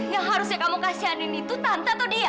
yang harusnya kamu kasihanin itu tante atau dia